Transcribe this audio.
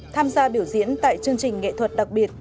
tham gia biểu diễn tại chương trình nghệ thuật đặc biệt